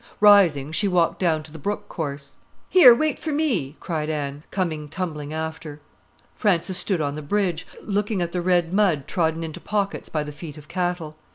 Rising, she walked down to the brook course. "Here, wait for me," cried Anne, coming tumbling after. Frances stood on the bridge, looking at the red mud trodden into pockets by the feet of cattle.